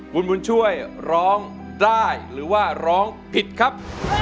คุณบุญช่วยร้องได้หรือว่าร้องผิดครับ